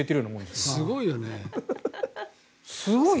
すごいよね。